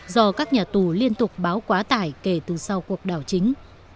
do các nhà tù liên tục báo quá tải kể từ sau cuộc đảo chính